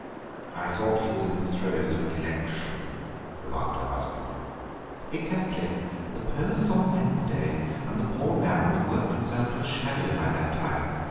"I thought he was in the throes of an election," remarked her husband. "Exactly; the poll is on Wednesday, and the poor man will have worked himself to a shadow by that time.